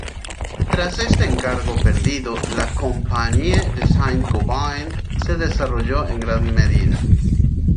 Tras este encargo perdido, la Compagnie de Saint-Gobain se desarrolló en gran medida.